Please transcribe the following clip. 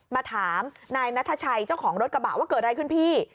มาถามนายนัทชัยเจ้าของรถกระบะว่าเกิดอะไรขึ้นพี่